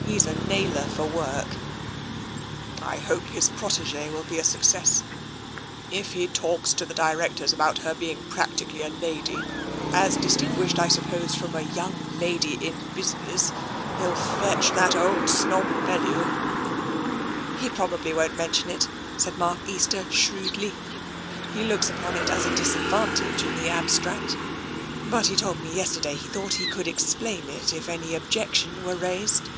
He's a nailer for work." *' I hope his protegee will be a success. If he talks to the directors about her being practically a lady, as distinguished, I suppose, from a ' young lady in busi ness,' he'll fetch that old snob Bellew." He probably won't mention it," said Mark Easter shrewdly. " He looks upon it as a disadvantage in the abstract, but he told me yesterday that he thought he could explain it if any objection were raised."